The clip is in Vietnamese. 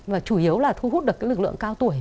và chủ yếu là thu hút được cái lực lượng cao tuổi